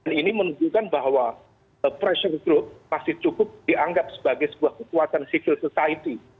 jadi ini menunjukkan bahwa pressure group pasti cukup dianggap sebagai sebuah kekuatan civil society